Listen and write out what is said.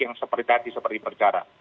yang seperti tadi seperti berjarak